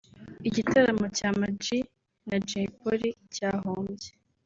igitaramo cya Ama G na Jay Polly cyahombye